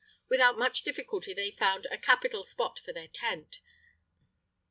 Without much difficulty they found a capital spot for their tent.